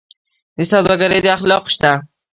د سوداګرۍ اخلاق شته؟